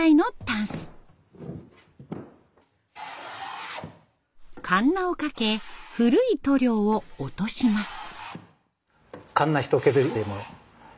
カンナをかけ古い塗料を落とします。